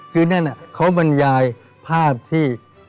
คือนั่นเขาบรรยายภาพที่